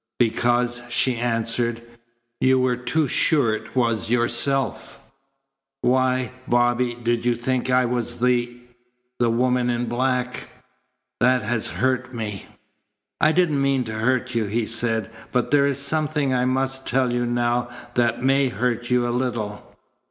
"Because," she answered, "you were too sure it was yourself. Why, Bobby, did you think I was the the woman in black? That has hurt me." "I didn't mean to hurt you," he said, "but there is something I must tell you now that may hurt you a little."